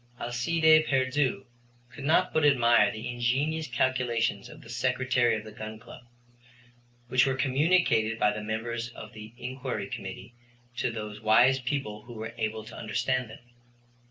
Alcide Pierdeux could not but admire the ingenious calculations of the Secretary of the Gun Club, which were communicated by the members of the Inquiry Committee to those wise people who were able to understand them.